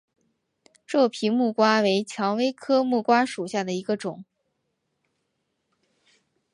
皱皮木瓜为蔷薇科木瓜属下的一个种。